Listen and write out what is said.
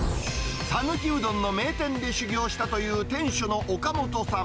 讃岐うどんの名店で修業したという店主の岡本さん。